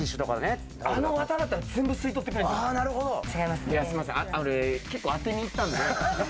あの綿だったら全部、吸い取ってくれますよね。